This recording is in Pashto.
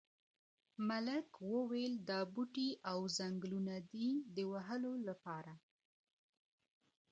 ملک وویل دا بوټي او ځنګلونه دي د وهلو لپاره.